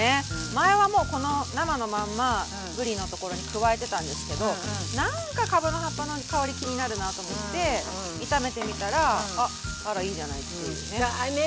前はもうこの生のまんまぶりのところに加えてたんですけどなんかかぶの葉っぱの香り気になるなと思って炒めてみたらあっあらいいんじゃないっていうね。